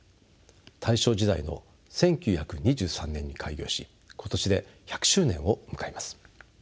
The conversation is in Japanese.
大正時代の１９２３年に開業し今年で１００周年を迎えます。